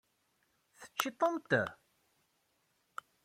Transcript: Teččiḍ-tent?